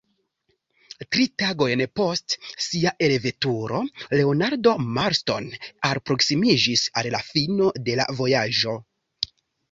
Tri tagojn post sia elveturo Leonardo Marston alproksimiĝis al la fino de la vojaĝo.